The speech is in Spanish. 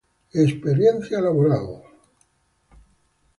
Experiencia Laboral.